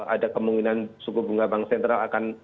ada kemungkinan suku bunga bank sentral akan